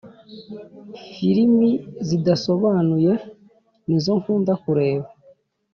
filimi zidasobanuye nizo nkunda kureba